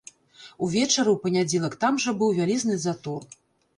Увечары ў панядзелак там жа быў вялізны затор.